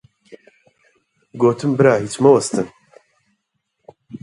گوتم: برا هیچ مەوەستن!